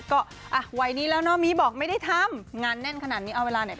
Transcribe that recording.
ก็อ่ะวัยนี้แล้วเนาะมีบอกไม่ได้ทำงานแน่นขนาดนี้เอาเวลาไหนไป